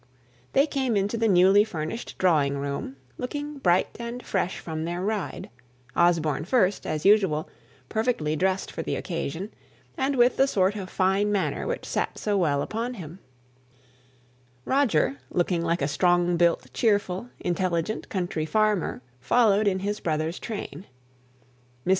They came into the newly furnished drawing room, looking bright and fresh from their ride: Osborne first, as usual, perfectly dressed for the occasion, and with the sort of fine manner which sate so well upon him; Roger, looking like a strong built, cheerful, intelligent country farmer, followed in his brother's train. Mrs.